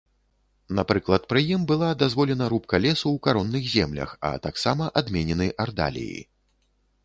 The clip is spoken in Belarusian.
Напрыклад, пры ім была дазволена рубка лесу ў каронных землях, а таксама адменены ардаліі.